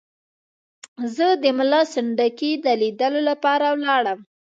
زه د ملا سنډکي د لیدلو لپاره ولاړم.